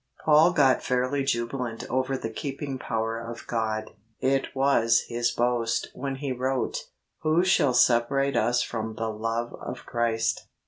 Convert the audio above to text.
Paul got fairly jubilant over the keeping power of God — it was his boast when he wrote, ' Who shall separate us from the love of Christ